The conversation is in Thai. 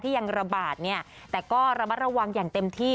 ที่ยังระบาดแต่ก็ระมัดระวังอย่างเต็มที่